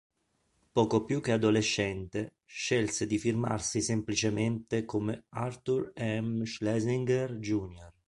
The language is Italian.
Poco più che adolescente, scelse di firmarsi semplicemente come Arthur M. Schlesinger Jr.